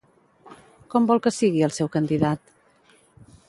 Com vol que sigui el seu candidat?